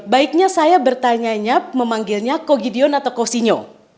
baiknya saya bertanya nya memanggilnya ko gideon atau ko sinyo